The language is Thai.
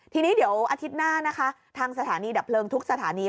ทีนี้เดี๋ยวอาทิตย์หน้านะคะทางสถานีดับเพลิงทุกสถานี